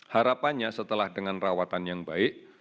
harapannya setelah dengan rawatan yang baik